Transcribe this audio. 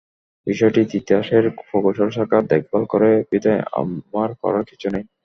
বিষয়টি তিতাসের প্রকৌশল শাখা দেখভাল করে বিধায় আমার করার কিছু নেই।